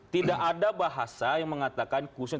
tidak ada bahasa yang mengatakan kusen